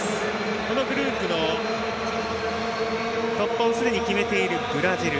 このグループの突破をすでに決めているブラジル。